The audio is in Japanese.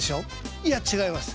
いや違います。